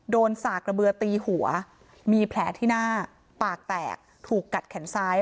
สากระเบือตีหัวมีแผลที่หน้าปากแตกถูกกัดแขนซ้าย